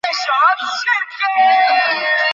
এটির নিজস্ব পাকা ভবন রয়েছে।